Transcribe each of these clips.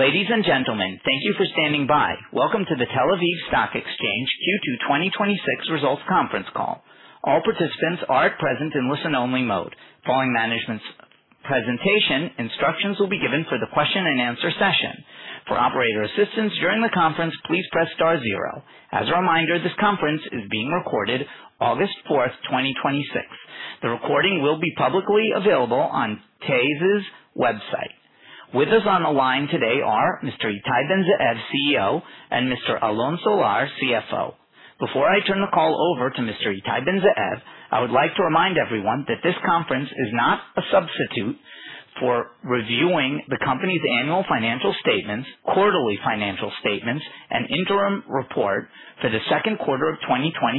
Ladies and gentlemen, thank you for standing by. Welcome to The Tel-Aviv Stock Exchange Q2 2026 results conference call. All participants are at present in listen-only mode. Following management's presentation, instructions will be given for the question-and-answer session. For operator assistance during the conference, please press star zero. As a reminder, this conference is being recorded August 4th, 2026. The recording will be publicly available on TASE's website. With us on the line today are Mr. Ittai Ben-Zeev, CEO, and Mr. Alon Solar, CFO. Before I turn the call over to Mr. Ittai Ben-Zeev, I would like to remind everyone that this conference is not a substitute for reviewing the company's annual financial statements, quarterly financial statements, and interim report for the second quarter of 2026,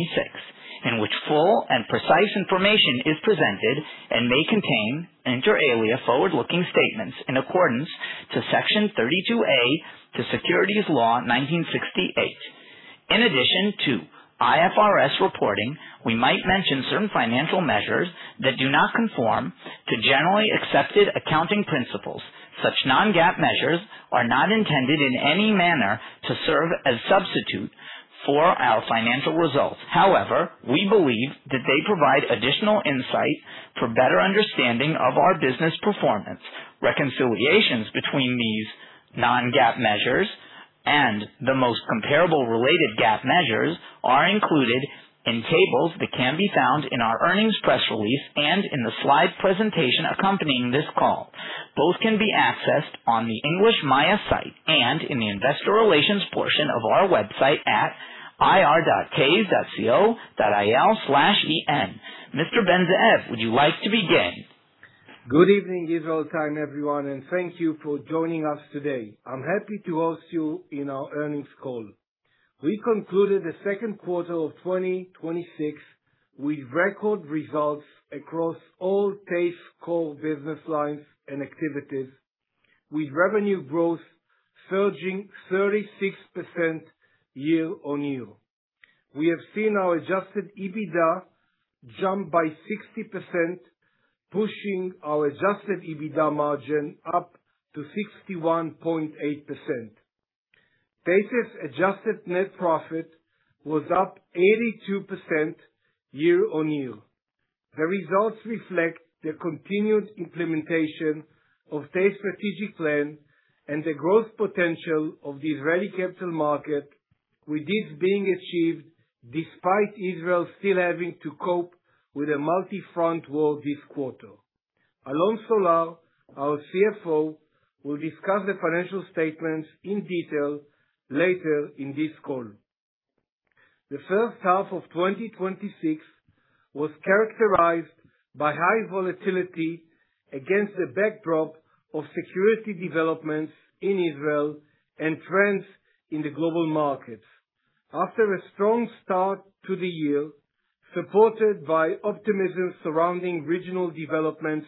in which full and precise information is presented and may contain, inter alia, forward-looking statements in accordance to Section 32-A to Securities Law 1968. In addition to IFRS reporting, we might mention certain financial measures that do not conform to generally accepted accounting principles. Such non-GAAP measures are not intended in any manner to serve as substitute for our financial results. However, we believe that they provide additional insight for better understanding of our business performance. Reconciliations between these non-GAAP measures and the most comparable related GAAP measures are included in tables that can be found in our earnings press release and in the slide presentation accompanying this call. Both can be accessed on the English Maya site and in the investor relations portion of our website at ir.tase.co.il/en. Mr. Ben-Zeev, would you like to begin? Good evening Israel time, everyone, thank you for joining us today. I'm happy to host you in our earnings call. We concluded the second quarter of 2026 with record results across all TASE core business lines and activities, with revenue growth surging 36% year-on-year. We have seen our adjusted EBITDA jump by 60%, pushing our adjusted EBITDA margin up to 61.8%. TASE's adjusted net profit was up 82% year-on-year. The results reflect the continued implementation of TASE strategic plan and the growth potential of the Israeli capital market, with this being achieved despite Israel still having to cope with a multi-front war this quarter. Alon Solar, our CFO, will discuss the financial statements in detail later in this call. The first half of 2026 was characterized by high volatility against the backdrop of security developments in Israel and trends in the global markets. After a strong start to the year, supported by optimism surrounding regional developments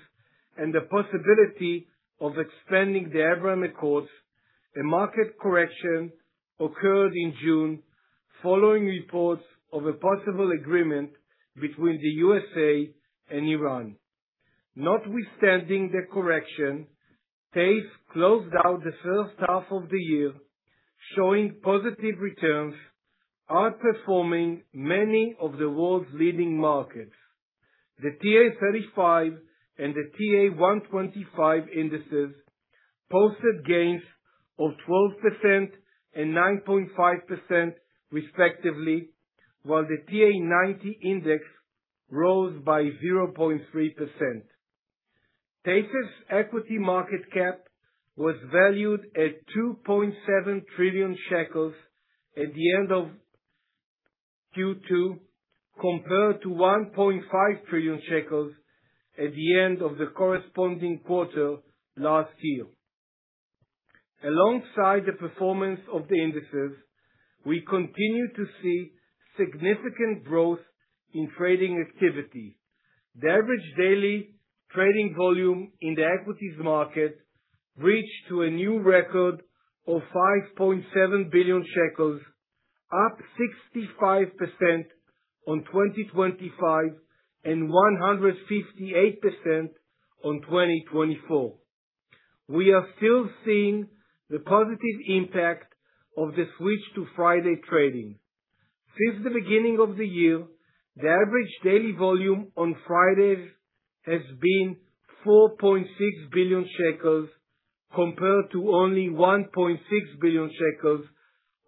and the possibility of expanding the Abraham Accords, a market correction occurred in June following reports of a possible agreement between the U.S. and Iran. Notwithstanding the correction, TASE closed out the first half of the year showing positive returns, outperforming many of the world's leading markets. The TA-35 and the TA-125 indices posted gains of 12% and 9.5% respectively, while the TA-90 index rose by 0.3%. TASE's equity market cap was valued at 2.7 trillion shekels at the end of Q2, compared to 1.5 trillion shekels at the end of the corresponding quarter last year. Alongside the performance of the indices, we continue to see significant growth in trading activity. The average daily trading volume in the equities market reached to a new record of 5.7 billion shekels, up 65% on 2025 and 158% on 2024. We are still seeing the positive impact of the switch to Friday trading. Since the beginning of the year, the average daily volume on Fridays has been 4.6 billion shekels, compared to only 1.6 billion shekels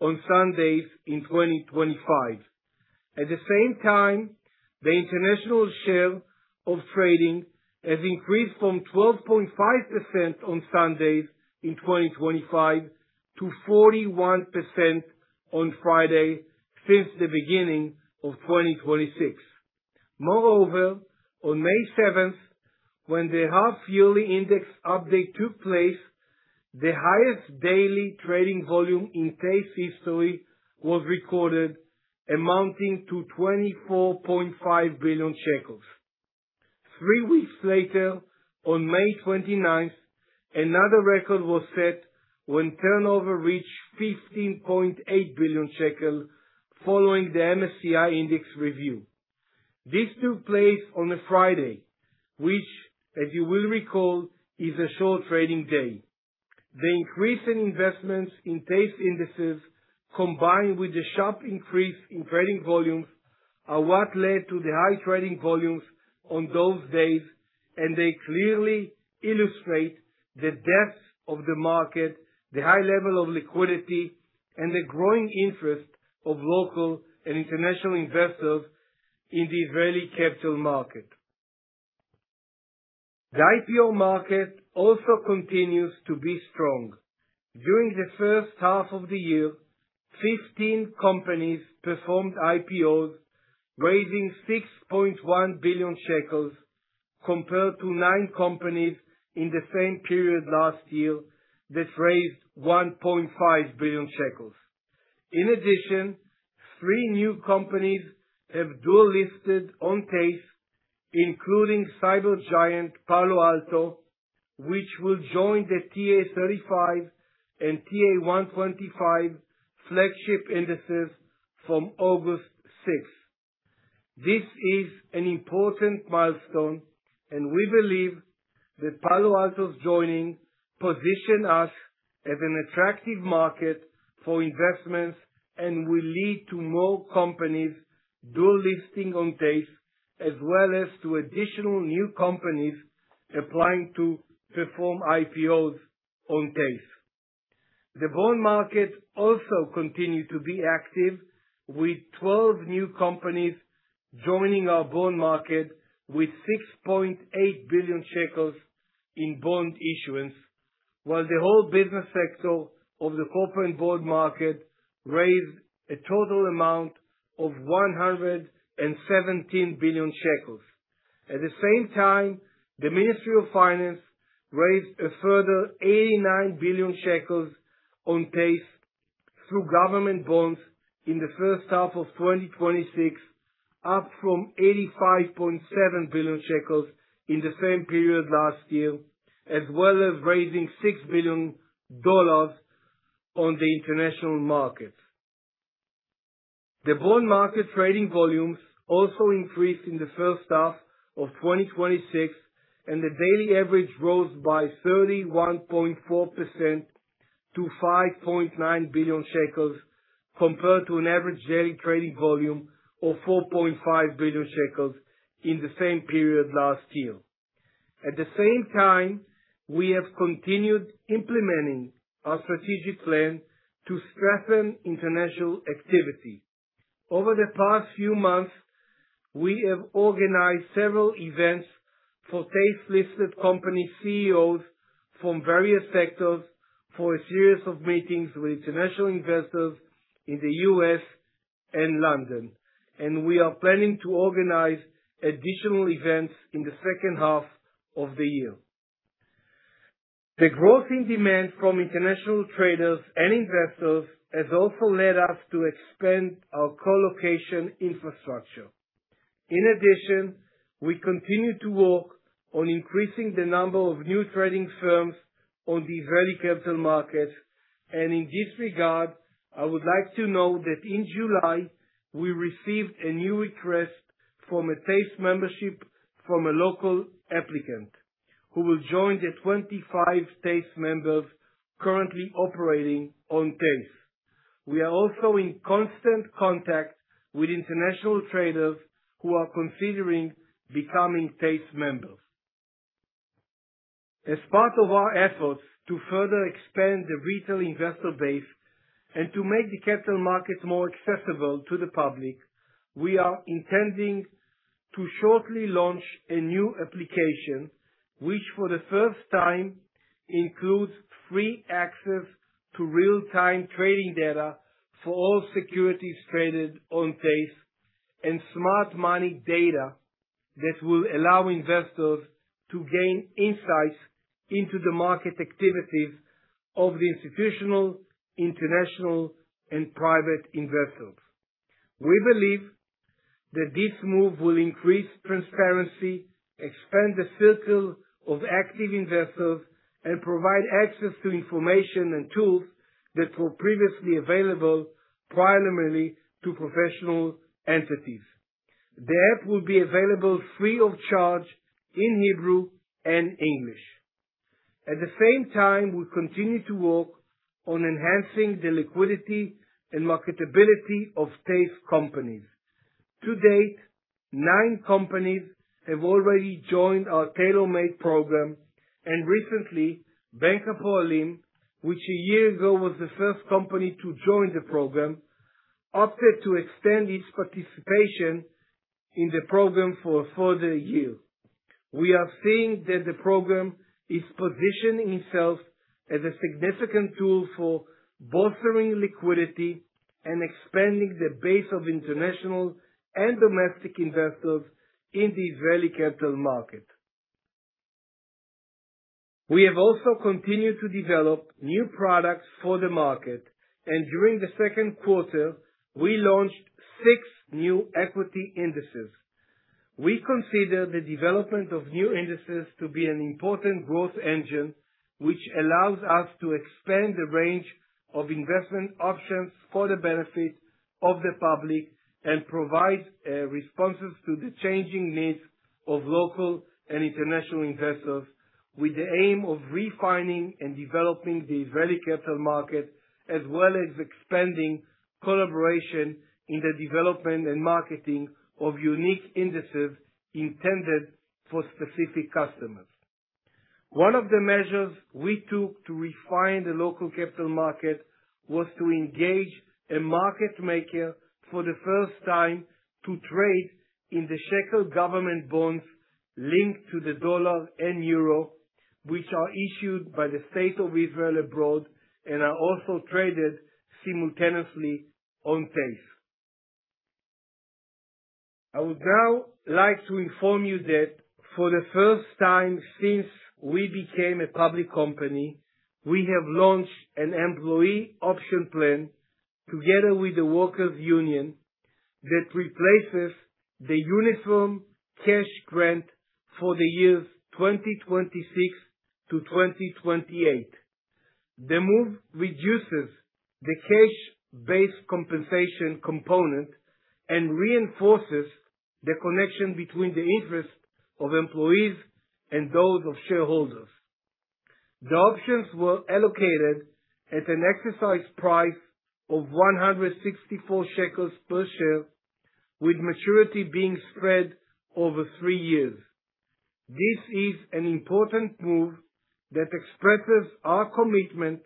on Sundays in 2025. At the same time, the international share of trading has increased from 12.5% on Sundays in 2025 to 41% on Friday since the beginning of 2026. Moreover, on May 7th, when the half-yearly index update took place, the highest daily trading volume in TASE history was recorded, amounting to 24.5 billion shekels. Three weeks later, on May 29th, another record was set when turnover reached 15.8 billion shekel following the MSCI Index review. This took place on a Friday, which as you will recall, is a short trading day. The increase in investments in TASE indices, combined with the sharp increase in trading volumes, are what led to the high trading volumes on those days, and they clearly illustrate the depth of the market, the high level of liquidity, and the growing interest of local and international investors in the Israeli capital market. The IPO market also continues to be strong. During the first half of the year, 15 companies performed IPOs, raising 6.1 billion shekels, compared to nine companies in the same period last year that raised 1.5 billion shekels. In addition, three new companies have dual-listed on TASE, including cyber giant Palo Alto, which will join the TA-35 and TA-125 flagship indices from August 6th. This is an important milestone, and we believe that Palo Alto's joining position us as an attractive market for investments and will lead to more companies dual-listing on TASE, as well as to additional new companies applying to perform IPOs on TASE. The bond market also continued to be active with 12 new companies joining our bond market with 6.8 billion shekels in bond issuance, while the whole business sector of the corporate bond market raised a total amount of 117 billion shekels. At the same time, the Ministry of Finance raised a further 89 billion shekels on TASE through government bonds in the first half of 2026, up from 85.7 billion shekels in the same period last year, as well as raising $6 billion on the international markets. The bond market trading volumes also increased in the first half of 2026, and the daily average rose by 31.4% to 5.9 billion shekels, compared to an average daily trading volume of 4.5 billion shekels in the same period last year. At the same time, we have continued implementing our strategic plan to strengthen international activity. Over the past few months, we have organized several events for TASE-listed company CEOs from various sectors for a series of meetings with international investors in the U.S. and London, and we are planning to organize additional events in the second half of the year. The growth in demand from international traders and investors has also led us to expand our colocation infrastructure. In addition, we continue to work on increasing the number of new trading firms on the Israeli capital markets. In this regard, I would like to know that in July, we received a new request from a TASE membership from a local applicant who will join the 25 TASE members currently operating on TASE. We are also in constant contact with international traders who are considering becoming TASE members. As part of our efforts to further expand the retail investor base and to make the capital markets more accessible to the public, we are intending to shortly launch a new application, which for the first time includes free access to real-time trading data for all securities traded on TASE and Smart Money data that will allow investors to gain insights into the market activities of the institutional, international, and private investors. We believe that this move will increase transparency, expand the circle of active investors, and provide access to information and tools that were previously available primarily to professional entities. The app will be available free of charge in Hebrew and English. At the same time, we continue to work on enhancing the liquidity and marketability of TASE companies. To date, nine companies have already joined our tailor-made program, and recently, Bank Hapoalim, which a year ago was the first company to join the program, opted to extend its participation in the program for a further year. We are seeing that the program is positioning itself as a significant tool for bolstering liquidity and expanding the base of international and domestic investors in the Israeli capital market. We have also continued to develop new products for the market, and during the second quarter, we launched six new equity indices. We consider the development of new indices to be an important growth engine, which allows us to expand the range of investment options for the benefit of the public and provide responses to the changing needs of local and international investors, with the aim of refining and developing the Israeli capital market, as well as expanding collaboration in the development and marketing of unique indices intended for specific customers. One of the measures we took to refine the local capital market was to engage a market maker for the first time to trade in the ILS government bonds linked to the dollar and euro, which are issued by the State of Israel abroad and are also traded simultaneously on TASE. I would now like to inform you that for the first time since we became a public company, we have launched an employee option plan together with the workers union that replaces the uniform cash grant for the years 2026-2028. The move reduces the cash-based compensation component and reinforces the connection between the interests of employees and those of shareholders. The options were allocated at an exercise price of 164 shekels per share, with maturity being spread over three years. This is an important move that expresses our commitment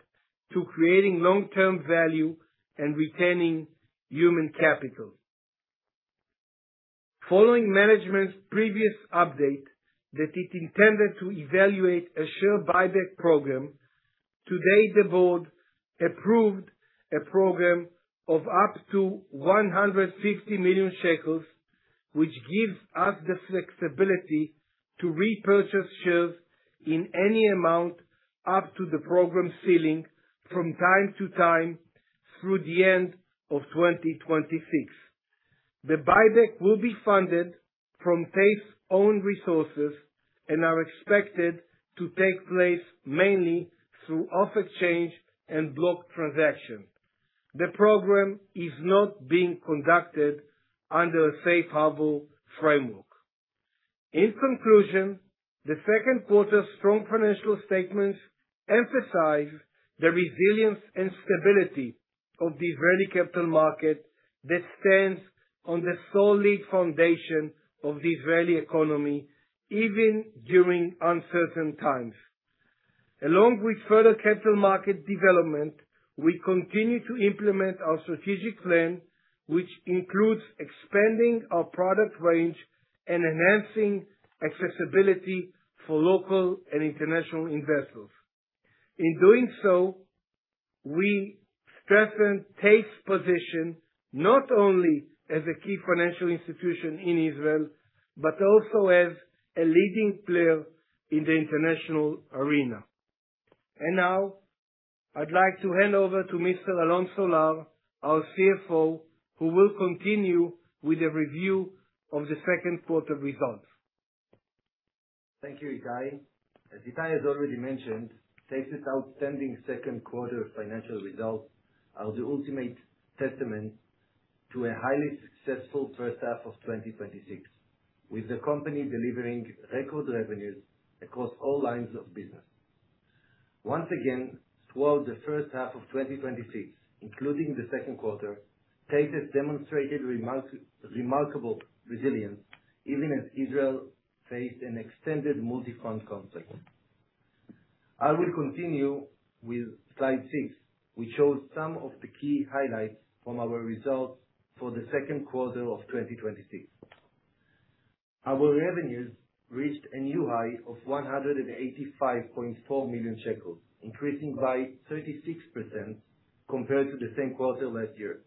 to creating long-term value and retaining human capital. Following management's previous update that it intended to evaluate a share buyback program, today the board approved a program of up to 150 million shekels, which gives us the flexibility to repurchase shares in any amount up to the program ceiling from time to time through the end of 2026. The buyback will be funded from TASE's own resources and are expected to take place mainly through off-exchange and block transactions. The program is not being conducted under a safe harbor framework. In conclusion, the second quarter's strong financial statements emphasize the resilience and stability of the Israeli capital market that stands on the solid foundation of the Israeli economy, even during uncertain times. Along with further capital market development, we continue to implement our strategic plan, which includes expanding our product range and enhancing accessibility for local and international investors. In doing so, we strengthen TASE's position, not only as a key financial institution in Israel, but also as a leading player in the international arena. Now, I'd like to hand over to Mr. Alon Solar, our CFO, who will continue with a review of the second quarter results. Thank you, Ittai. As Ittai has already mentioned, TASE's outstanding second quarter financial results are the ultimate testament to a highly successful first half of 2026, with the company delivering record revenues across all lines of business. Once again, throughout the first half of 2026, including the second quarter, TASE has demonstrated remarkable resilience, even as Israel faced an extended multi-front conflict. I will continue with slide six, which shows some of the key highlights from our results for the second quarter of 2026. Our revenues reached a new high of 185.4 million shekels, increasing by 36% compared to the same quarter last year.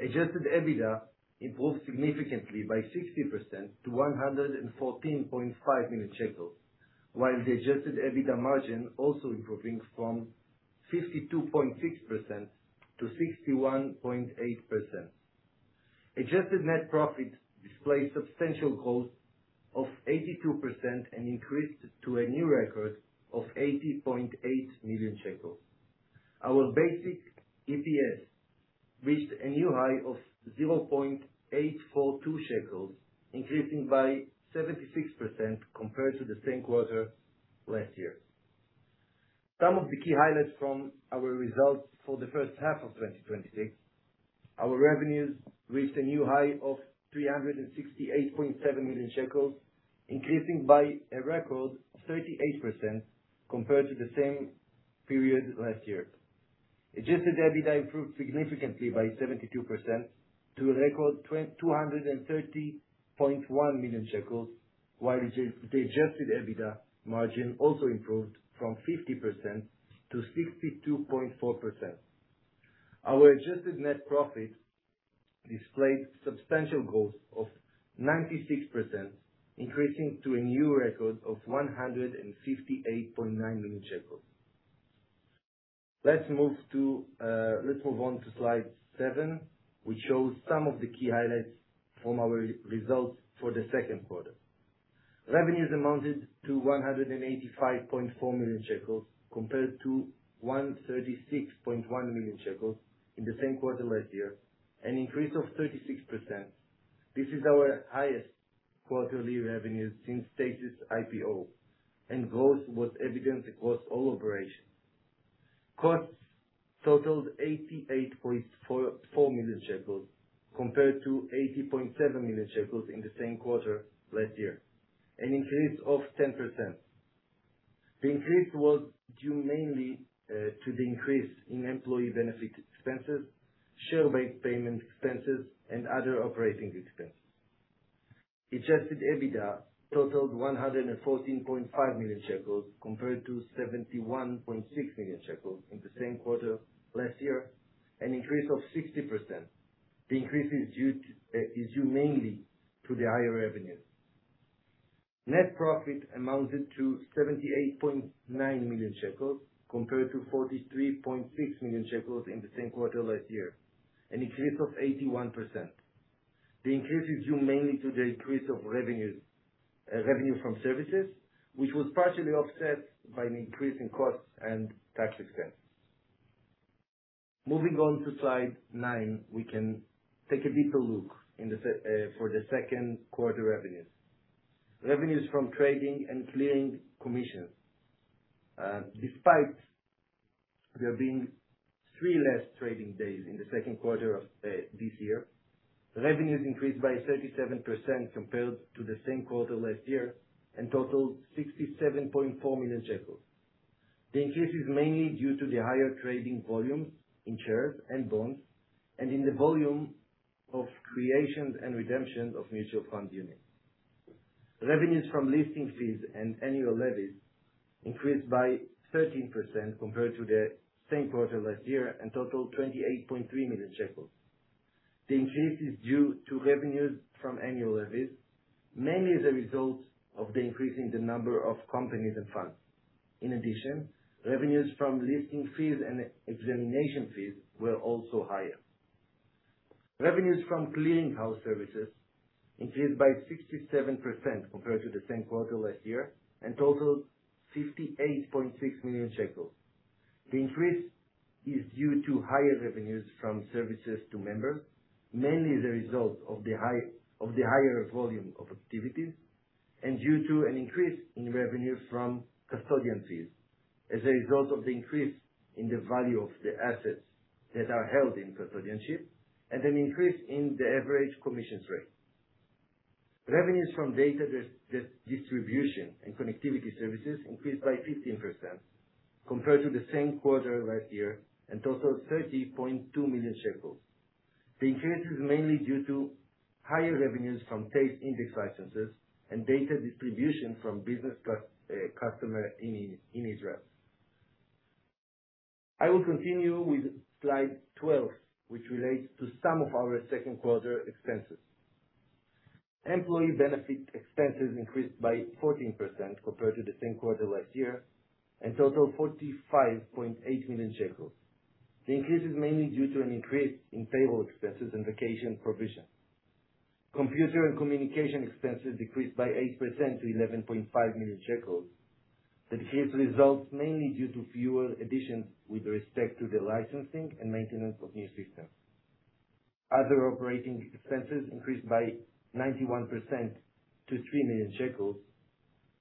Adjusted EBITDA improved significantly by 60% to 114.5 million shekels, while the adjusted EBITDA margin also improving from 52.6%-61.8%. Adjusted net profit displays substantial growth of 82% and increased to a new record of 80.8 million shekels. Our basic EPS reached a new high of 0.842 shekels, increasing by 76% compared to the same quarter last year. Some of the key highlights from our results for the first half of 2026, our revenues reached a new high of 368.7 million shekels, increasing by a record of 38% compared to the same period last year. Adjusted EBITDA improved significantly by 72% to a record 230.1 million shekels, while the adjusted EBITDA margin also improved from 50%-62.4%. Our adjusted net profit displayed substantial growth of 96%, increasing to a new record of 158.9 million shekels. Let's move on to slide seven, which shows some of the key highlights from our results for the second quarter. Revenues amounted to 185.4 million shekels compared to 136.1 million shekels in the same quarter last year, an increase of 36%. This is our highest quarterly revenues since TASE's IPO. Growth was evident across all operations. Costs totaled 88.4 million shekels compared to 80.7 million shekels in the same quarter last year, an increase of 10%. The increase was due mainly to the increase in employee benefit expenses, share-based payment expenses, and other operating expenses. Adjusted EBITDA totaled 114.5 million shekels compared to 71.6 million shekels in the same quarter last year, an increase of 60%. The increase is due mainly to the higher revenues. Net profit amounted to 78.9 million shekels compared to 43.6 million shekels in the same quarter last year, an increase of 81%. The increase is due mainly to the increase of revenue from services, which was partially offset by an increase in costs and tax expense. Moving on to slide nine, we can take a deeper look for the second quarter revenues. Revenues from trading and clearing commissions. Despite there being three less trading days in the second quarter of this year, revenues increased by 37% compared to the same quarter last year and totaled 67.4 million shekels. The increase is mainly due to the higher trading volumes in shares and bonds and in the volume of creations and redemptions of mutual fund units. Revenues from listing fees and annual levies increased by 13% compared to the same quarter last year and totaled 28.3 million shekels. The increase is due to revenues from annual levies, mainly as a result of the increase in the number of companies and funds. In addition, revenues from listing fees and examination fees were also higher. Revenues from clearing house services increased by 67% compared to the same quarter last year and totaled 58.6 million shekels. The increase is due to higher revenues from services to members, mainly as a result of the higher volume of activities, and due to an increase in revenues from custodian fees as a result of the increase in the value of the assets that are held in custodianship and an increase in the average commissions rate. Revenues from data distribution and connectivity services increased by 15% compared to the same quarter last year and totaled 30.2 million shekels. The increase is mainly due to higher revenues from tape index licenses and data distribution from business customer in Israel. I will continue with slide 12, which relates to some of our second quarter expenses. Employee benefit expenses increased by 14% compared to the same quarter last year and totaled 45.8 million shekels. The increase is mainly due to an increase in payroll expenses and vacation provision. Computer and communication expenses decreased by 8% to 11.5 million shekels. The decrease results mainly due to fewer additions with respect to the licensing and maintenance of new systems. Other operating expenses increased by 91% to 3 million shekels.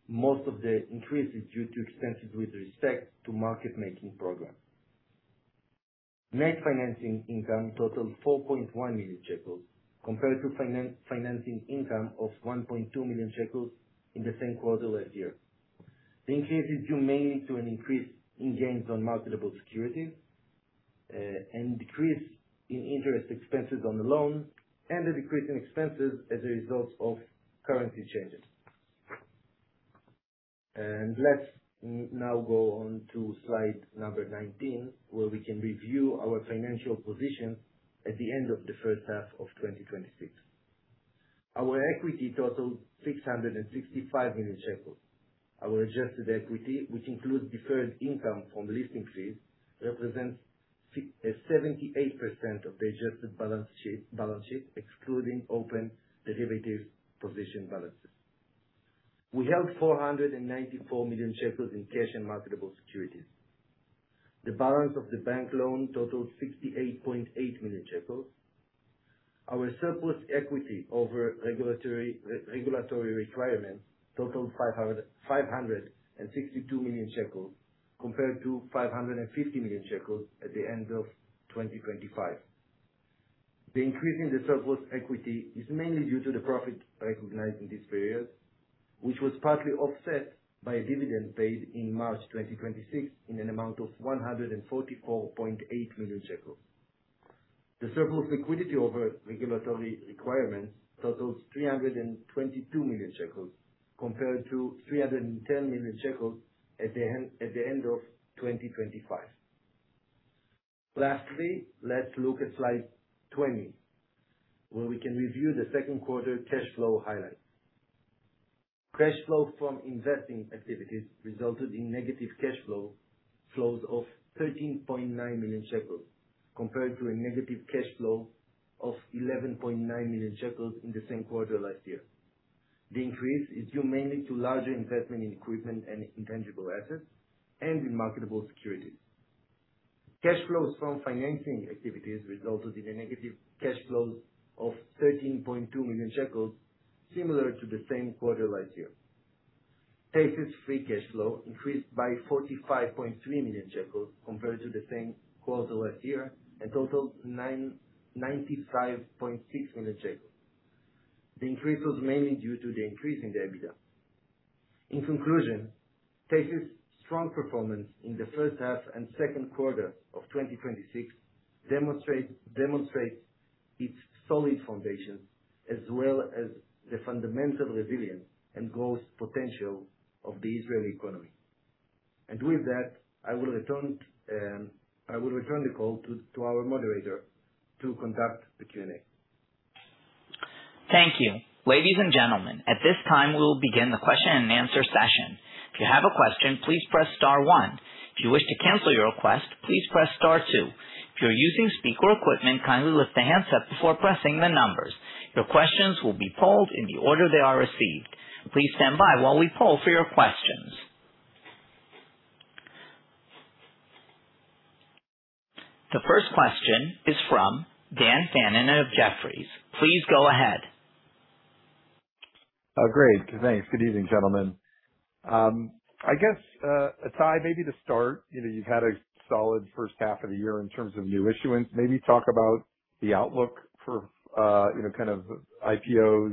Most of the increase is due to expenses with respect to market making program. Net financing income totaled 4.1 million shekels compared to financing income of 1.2 million shekels in the same quarter last year. The increase is due mainly to an increase in gains on marketable securities, and decrease in interest expenses on the loan, and a decrease in expenses as a result of currency changes. Let's now go on to slide 19, where we can review our financial position at the end of the first half of 2026. Our equity totaled 665 million shekels. Our adjusted equity, which includes deferred income from listing fees, represents 78% of the adjusted balance sheet, excluding open derivative position balances. We held 494 million shekels in cash and marketable securities. The balance of the bank loan totaled NIS 68.8 million. Our surplus equity over regulatory requirements totaled 562 million shekels compared to 550 million shekels at the end of 2025. The increase in the surplus equity is mainly due to the profit recognized in this period, which was partly offset by a dividend paid in March 2026 in an amount of 144.8 million shekels. The surplus liquidity over regulatory requirements totals 322 million shekels compared to 310 million shekels at the end of 2025. Lastly, let's look at slide 20, where we can review the second quarter cash flow highlights. Cash flow from investing activities resulted in negative cash flow. Flows of 13.9 million shekels, compared to a negative cash flow of 11.9 million shekels in the same quarter last year. The increase is due mainly to larger investment in equipment and intangible assets, and in marketable securities. Cash flows from financing activities resulted in a negative cash flow of 13.2 million shekels, similar to the same quarter last year. TASE's free cash flow increased by 45.3 million shekels compared to the same quarter last year, and totaled 95.6 million shekels. The increase was mainly due to the increase in the EBITDA. In conclusion, TASE's strong performance in the first half and second quarter of 2026 demonstrates its solid foundation as well as the fundamental resilience and growth potential of the Israeli economy. With that, I will return the call to our moderator to conduct the Q&A. Thank you. Ladies and gentlemen, at this time, we will begin the question-and-answer session. If you have a question, please press star one. If you wish to cancel your request, please press star two. If you're using speaker equipment, kindly lift the handset before pressing the numbers. Your questions will be polled in the order they are received. Please stand by while we poll for your questions. The first question is from Dan Fannon of Jefferies. Please go ahead. Great. Thanks. Good evening, gentlemen. I guess, Ittai, maybe to start, you've had a solid first half of the year in terms of new issuance. Maybe talk about the outlook for IPOs.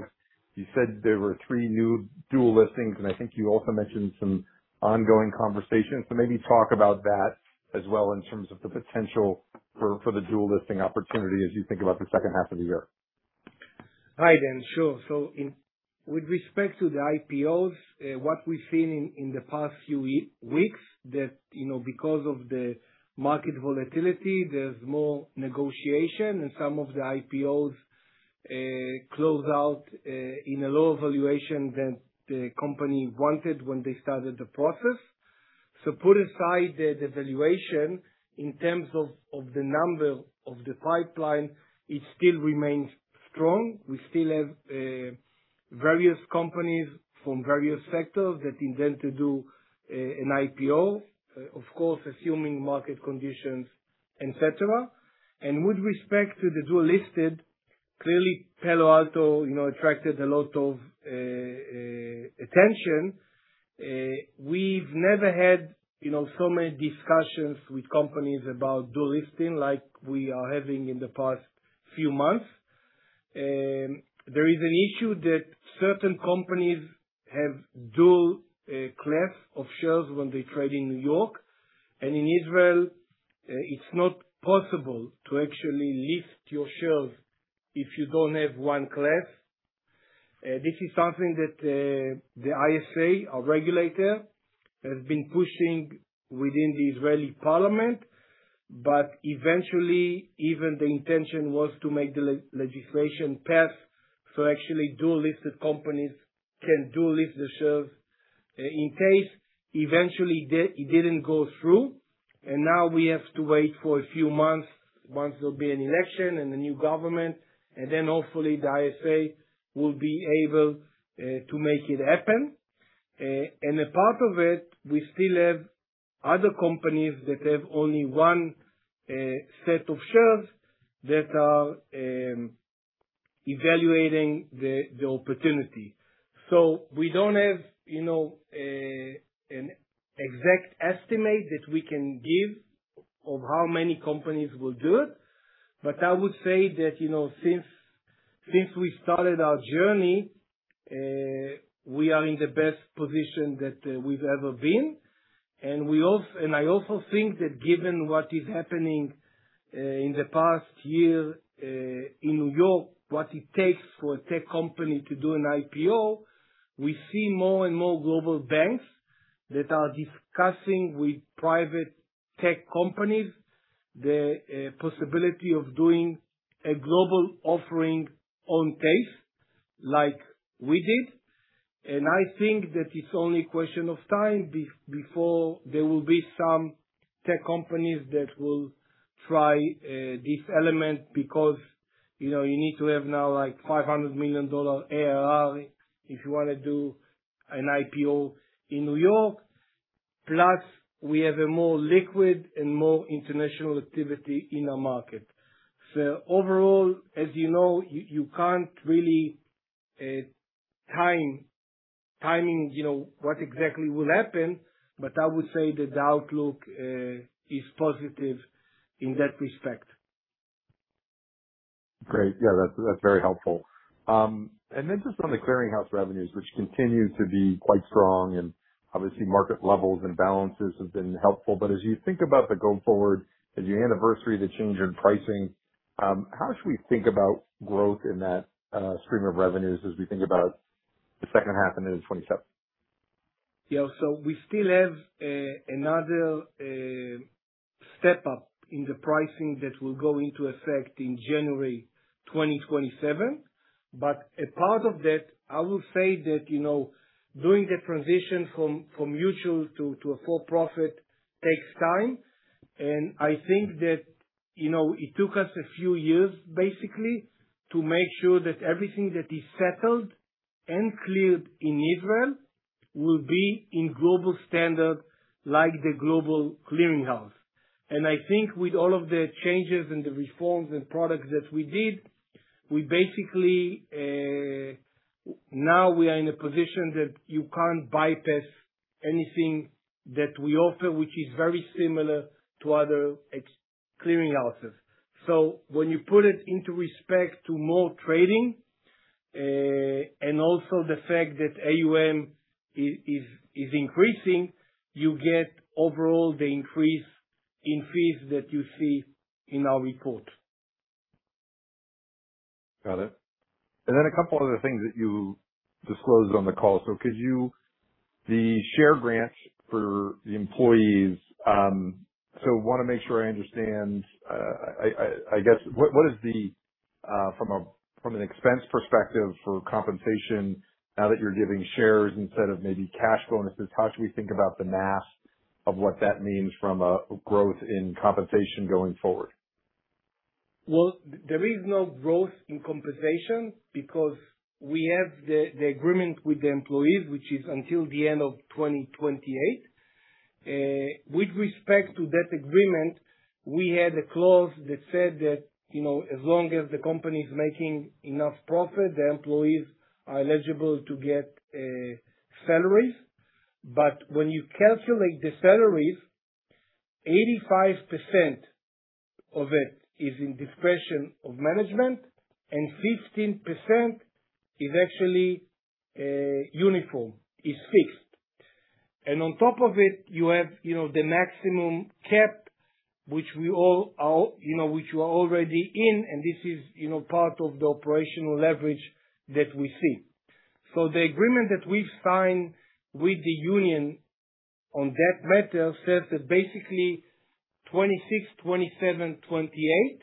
You said there were three new dual listings. I think you also mentioned some ongoing conversations. Maybe talk about that as well in terms of the potential for the dual listing opportunity as you think about the second half of the year. Hi, Dan. Sure. With respect to the IPOs, what we've seen in the past few weeks, that because of the market volatility, there's more negotiation and some of the IPOs close out in a lower valuation than the company wanted when they started the process. Put aside the valuation, in terms of the number of the pipeline, it still remains strong. We still have various companies from various sectors that intend to do an IPO, of course, assuming market conditions, et cetera. With respect to the dual listed, clearly, Palo Alto attracted a lot of attention. We've never had so many discussions with companies about dual listing like we are having in the past few months. There is an issue that certain companies have dual class of shares when they trade in New York. In Israel, it's not possible to actually list your shares if you don't have one class. This is something that the ISA, our regulator, has been pushing within the Israeli parliament. Eventually, even the intention was to make the legislation pass, so actually dual-listed companies can dual list their shares in case. Eventually, it didn't go through. Now we have to wait for a few months, once there'll be an election and a new government, and then hopefully the ISA will be able to make it happen. A part of it, we still have other companies that have only one set of shares that are evaluating the opportunity. We don't have an exact estimate that we can give of how many companies will do it. I would say that, since we started our journey, we are in the best position that we've ever been. I also think that given what is happening in the past year in New York, what it takes for a tech company to do an IPO, we see more and more global banks that are discussing with private tech companies the possibility of doing a global offering on TASE like we did. I think that it's only a question of time before there will be some tech companies that will try this element because you need to have now $500 million ARR if you want to do an IPO in New York. Plus, we have a more liquid and more international activity in our market. Overall, as you know, you can't really time what exactly will happen, but I would say that the outlook is positive in that respect. Great. Yeah, that's very helpful. Just on the clearing house revenues, which continue to be quite strong, and obviously market levels and balances have been helpful. As you think about the go forward, as you anniversary the change in pricing, how should we think about growth in that stream of revenues as we think about the second half and into 2027? Yeah. We still have another step up in the pricing that will go into effect in January 2027. A part of that, I will say that, doing the transition from mutual to a for-profit takes time, and I think that it took us a few years, basically, to make sure that everything that is settled and cleared in Israel will be in global standard, like the global clearing house. I think with all of the changes and the reforms and products that we did, now we are in a position that you can't bypass anything that we offer, which is very similar to other clearing houses. When you put it in respect to more trading, and also the fact that AUM is increasing, you get overall the increase in fees that you see in our report. Got it. A couple other things that you disclosed on the call. The share grants for the employees. I want to make sure I understand. From an expense perspective for compensation, now that you're giving shares instead of maybe cash bonuses, how should we think about the math of what that means from a growth in compensation going forward? There is no growth in compensation because we have the agreement with the employees, which is until the end of 2028. With respect to that agreement, we had a clause that said that, as long as the company is making enough profit, the employees are eligible to get salaries. When you calculate the salaries, 85% of it is in discretion of management and 15% is actually uniform, is fixed. On top of it, you have the maximum cap, which you are already in, and this is part of the operational leverage that we see. The agreement that we've signed with the union on that matter says that basically 2026, 2027, 2028,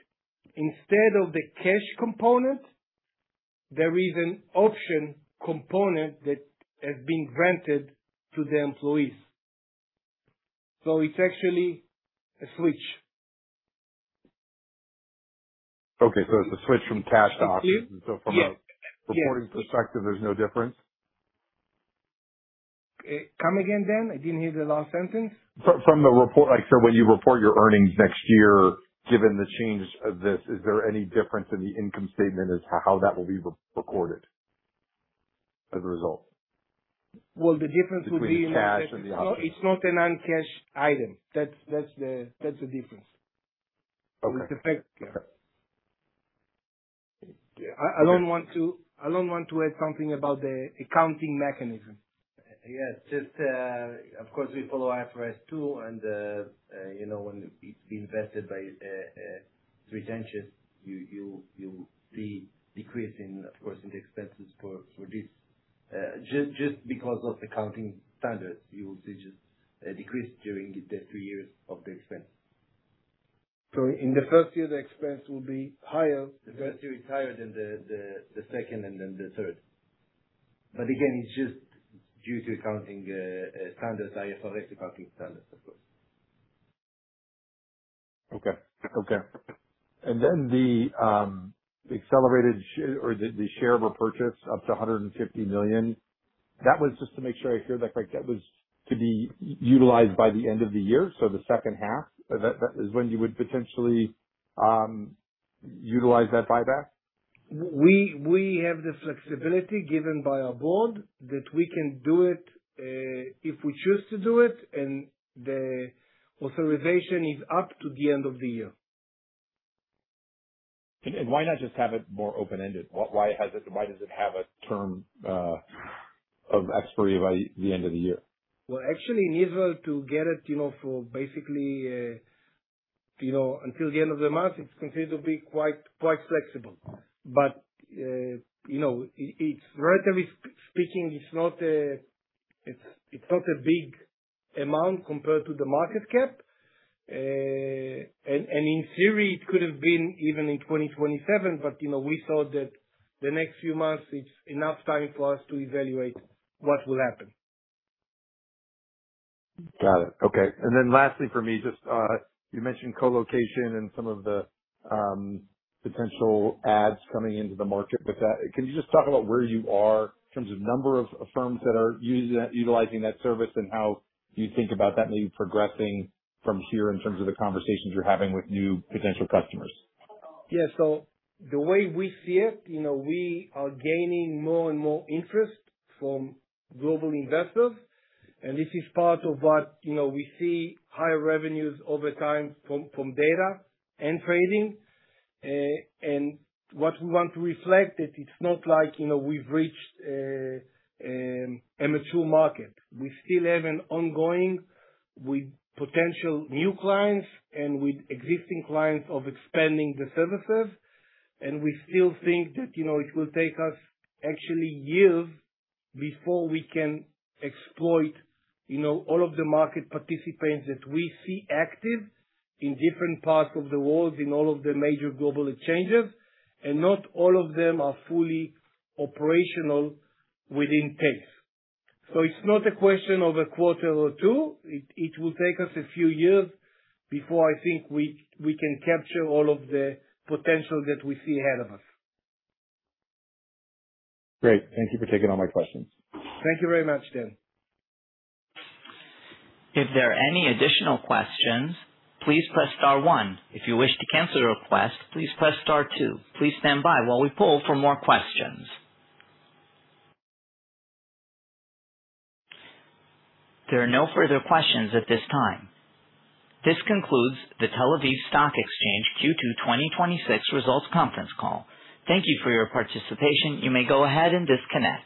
instead of the cash component, there is an option component that has been granted to the employees. It's actually a switch. Okay. It's a switch from cash to options. Yes. From a reporting perspective, there's no difference? Come again, Dan, I didn't hear the last sentence. When you report your earnings next year, given the change of this, is there any difference in the income statement as to how that will be recorded as a result? Well, the difference will be. Between the cash and the options. It's not a non-cash item. That's the difference. Okay. I don't want to add something about the accounting mechanism. When it's invested by [retention], you'll see decrease, of course, in the expenses for this. Just because of accounting standards, you will see just a decrease during the three years of the expense. In the first year, the expense will be higher. The first year is higher than the second and then the third. Again, it's just due to accounting standards, IFRS accounting standards, of course. Okay. The share repurchase up to 150 million, that was, just to make sure I hear that correct, that was to be utilized by the end of the year? The second half, that is when you would potentially utilize that buyback? We have the flexibility given by our board that we can do it, if we choose to do it, the authorization is up to the end of the year. Why not just have it more open-ended? Why does it have a term, of expiry by the end of the year? Well, actually, in Israel, to get it, for basically, until the end of the month, it's considered to be quite flexible. Relatively speaking, it's not a big amount compared to the market cap. In theory, it could have been even in 2027. We thought that the next few months, it's enough time for us to evaluate what will happen. Got it. Okay. Lastly for me, you mentioned colocation and some of the potential adds coming into the market. With that, can you just talk about where you are in terms of number of firms that are utilizing that service and how you think about that maybe progressing from here in terms of the conversations you're having with new potential customers? Yeah. The way we see it, we are gaining more and more interest from global investors, this is part of what we see higher revenues over time from data and trading. What we want to reflect, that it's not like we've reached a mature market. We still have an ongoing with potential new clients and with existing clients of expanding the services, we still think that it will take us actually years before we can exploit all of the market participants that we see active in different parts of the world, in all of the major global exchanges, not all of them are fully operational within TASE. It's not a question of a quarter or two. It will take us a few years before I think we can capture all of the potential that we see ahead of us. Great. Thank you for taking all my questions. Thank you very much, Dan. If there are any additional questions, please press star one. If you wish to cancel a request, please press star two. Please stand by while we poll for more questions. There are no further questions at this time. This concludes The Tel-Aviv Stock Exchange Q2 2026 results conference call. Thank you for your participation. You may go ahead and disconnect.